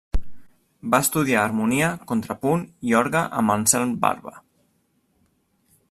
Va estudiar harmonia, contrapunt i orgue amb Anselm Barba.